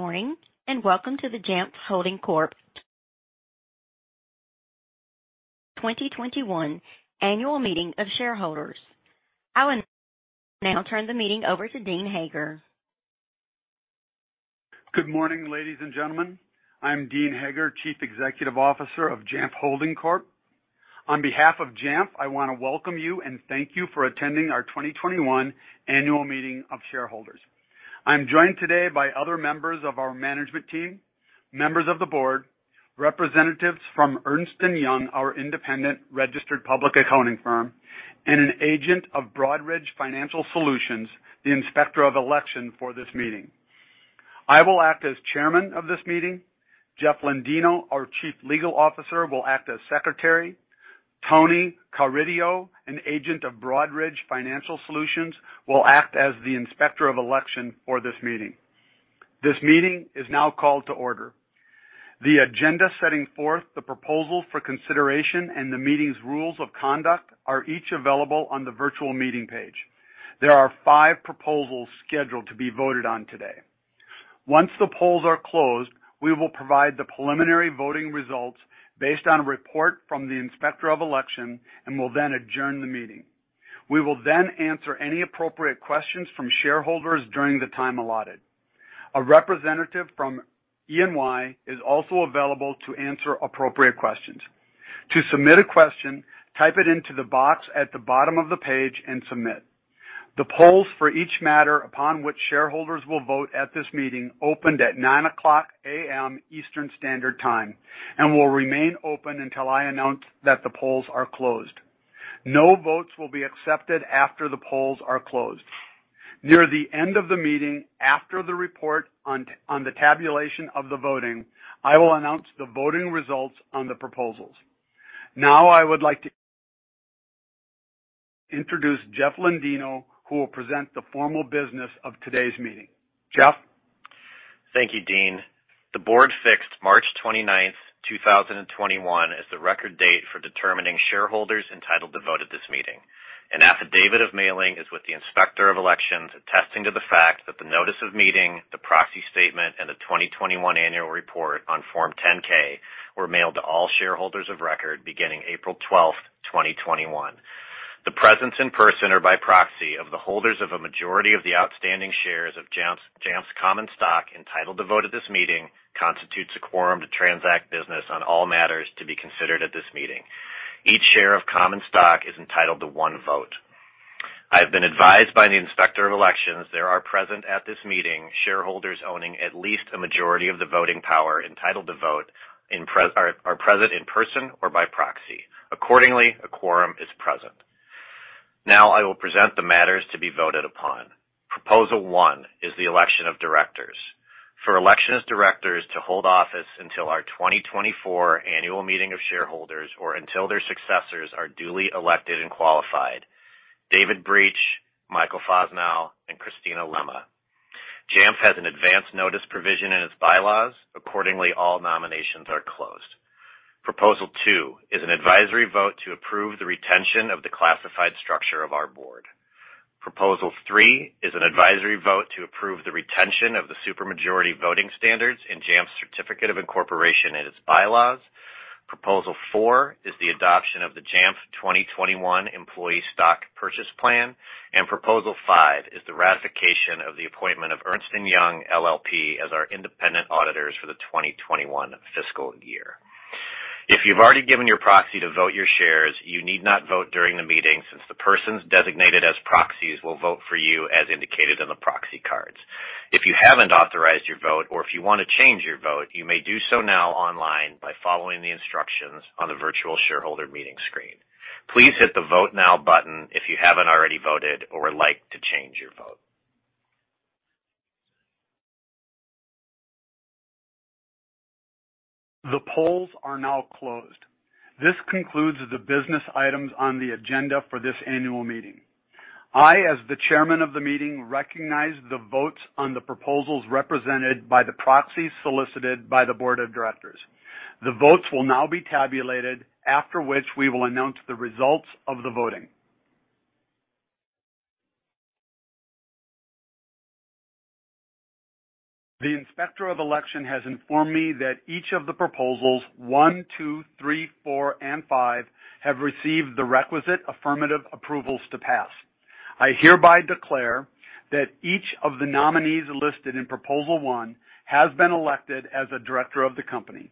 Good morning, and welcome to the Jamf Holding Corp. 2021 annual meeting of shareholders. I will now turn the meeting over to Dean Hager. Good morning, ladies and gentlemen. I'm Dean Hager, Chief Executive Officer of Jamf Holding Corp. On behalf of Jamf, I want to welcome you and thank you for attending our 2021 annual meeting of shareholders. I'm joined today by other members of our management team, members of the board, representatives from Ernst & Young, our independent registered public accounting firm, and an agent of Broadridge Financial Solutions, the Inspector of Election for this meeting. I will act as Chairman of this meeting. Jeff Lendino, our Chief Legal Officer, will act as Secretary. Tony Carideo, an agent of Broadridge Financial Solutions, will act as the Inspector of Election for this meeting. This meeting is now called to order. The agenda setting forth the proposal for consideration and the meeting's rules of conduct are each available on the virtual meeting page. There are five proposals scheduled to be voted on today. Once the polls are closed, we will provide the preliminary voting results based on a report from the inspector of election and will then adjourn the meeting. We will then answer any appropriate questions from shareholders during the time allotted. A representative from E&Y is also available to answer appropriate questions. To submit a question, type it into the box at the bottom of the page and submit. The polls for each matter upon which shareholders will vote at this meeting opened at 9:00A.M. Eastern Standard Time, and will remain open until I announce that the polls are closed. No votes will be accepted after the polls are closed. Near the end of the meeting, after the report on the tabulation of the voting, I will announce the voting results on the proposals. Now I would like to introduce Jeff Lendino, who will present the formal business of today's meeting. Jeff? Thank you, Dean. The board fixed March 29th, 2021, as the record date for determining shareholders entitled to vote at this meeting. An affidavit of mailing is with the Inspector of Elections attesting to the fact that the notice of meeting, the proxy statement, and the 2021 annual report on Form 10-K were mailed to all shareholders of record beginning April 12th, 2021. The presence in person or by proxy of the holders of a majority of the outstanding shares of Jamf's common stock entitled to vote at this meeting constitutes a quorum to transact business on all matters to be considered at this meeting. Each share of common stock is entitled to one vote. I've been advised by the Inspector of Elections there are present at this meeting shareholders owning at least a majority of the voting power entitled to vote are present in person or by proxy. Accordingly, a quorum is present. I will present the matters to be voted upon. Proposal 1 is the election of directors. For election as directors to hold office until our 2024 annual meeting of shareholders, or until their successors are duly elected and qualified, David Breach, Michael Fosnaugh, and Christina Lema. Jamf has an advance notice provision in its bylaws. Accordingly, all nominations are closed. Proposal 2 is an advisory vote to approve the retention of the classified structure of our board. Proposal 3 is an advisory vote to approve the retention of the super majority voting standards in Jamf's certificate of incorporation and its bylaws. Proposal 4 is the adoption of the Jamf 2021 Employee Stock Purchase Plan. Proposal 5 is the ratification of the appointment of Ernst & Young LLP as our independent auditors for the 2021 fiscal year. If you've already given your proxy to vote your shares, you need not vote during the meeting since the persons designated as proxies will vote for you as indicated on the proxy cards. If you haven't authorized your vote or if you want to change your vote, you may do so now online by following the instructions on the virtual shareholder meeting screen. Please hit the Vote Now button if you haven't already voted or would like to change your vote. The polls are now closed. This concludes the business items on the agenda for this annual meeting. I, as the chairman of the meeting, recognize the votes on the proposals represented by the proxies solicited by the board of directors. The votes will now be tabulated, after which we will announce the results of the voting. The Inspector of Election has informed me that each of the Proposals 1, 2, 3, 4, and 5 have received the requisite affirmative approvals to pass. I hereby declare that each of the nominees listed in Proposal 1 has been elected as a director of the company.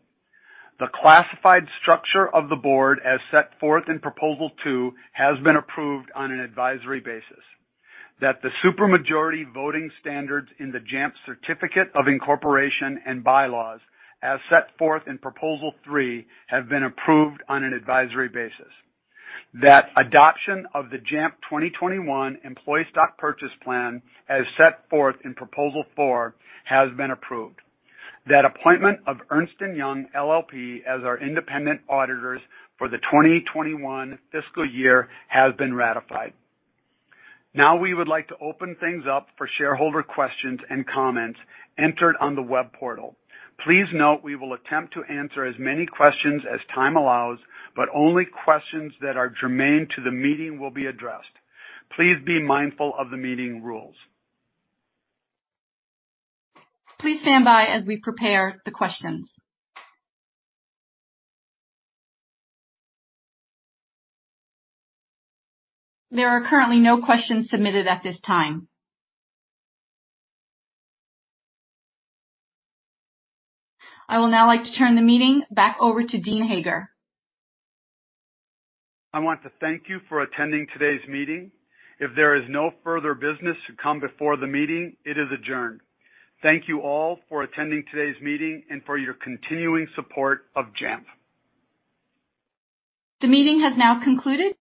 The classified structure of the board as set forth in Proposal 2 has been approved on an advisory basis. That the super majority voting standards in the Jamf certificate of incorporation and bylaws as set forth in Proposal 3 have been approved on an advisory basis. That adoption of the Jamf 2021 Employee Stock Purchase Plan as set forth in Proposal 4 has been approved. That appointment of Ernst & Young LLP as our independent auditors for the 2021 fiscal year has been ratified. We would like to open things up for shareholder questions and comments entered on the web portal. Please note we will attempt to answer as many questions as time allows, but only questions that are germane to the meeting will be addressed. Please be mindful of the meeting rules. Please stand by as we prepare the questions. There are currently no questions submitted at this time. I will now like to turn the meeting back over to Dean Hager. I want to thank you for attending today's meeting. If there is no further business to come before the meeting, it is adjourned. Thank you all for attending today's meeting and for your continuing support of Jamf. The meeting has now concluded.